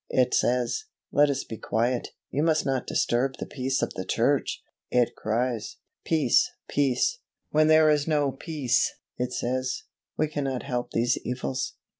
It says, "Let us be quiet; you must not disturb the peace of the church." It cries, "Peace, peace!" when there is no peace. It says, "We cannot help these evils.